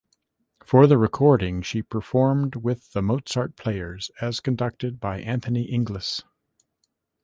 For the recording, she performed with the Mozart Players as conducted by Anthony Inglis.